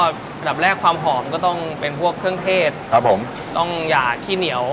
อันดับแรกความหอมก็ต้องเป็นพวกเครื่องเทศครับผมต้องหย่าขี้เหนียว